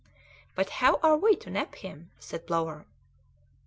"But how are we to nap him?" said Plover.